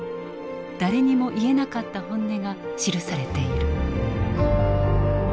誰にも言えなかった本音が記されている。